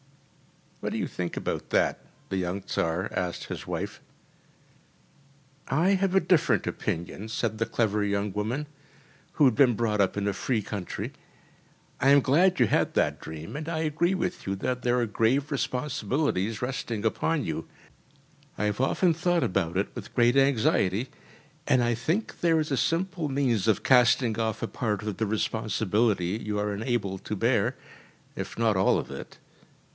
‚ÄĚ “What do you think about that?‚ÄĚ the young Tsar asked his wife. “I have a different opinion,‚ÄĚ said the clever young woman, who had been brought up in a free country. “I am glad you had that dream, and I agree with you that there are grave responsibilities resting upon you. I have often thought about it with great anxiety, and I think there is a simple means of casting off a part of the responsibility you are unable to bear, if not all of it.